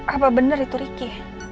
apa bener itu riki